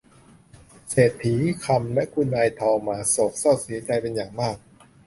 เศรษฐีคำและคุณนายทองมาโศกเศร้าเสียใจเป็นอย่างมาก